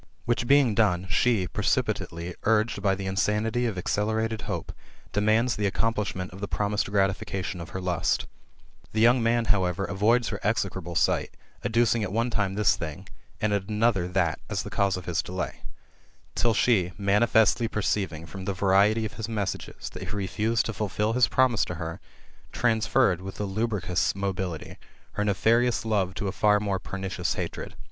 Which being done^ she, precipitately uiged by the insanity of acceler ated hope, demands the accomplishment of the promised grati fication of her lust The young man, however, avoids her exfioable sight, adducing at one time this thing, and at another that, as the cause of his delay ; till she manifestly perceiving, ftom the variety of his messages, that he refused to fulfil bis promise to her, transferred, wiUi a lubricous mobility, her nefitfious love to a far more pernicious hatred.